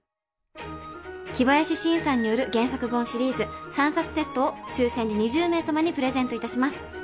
樹林伸さんによる原作本シリーズ３冊セットを抽選で２０名様にプレゼントいたします。